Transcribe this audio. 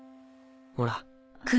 ほら。